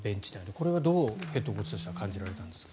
これはヘッドコーチとしてはどう感じられたんですか？